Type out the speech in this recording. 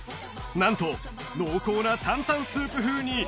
なんと濃厚な坦々スープ風に！